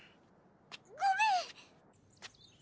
ごめん！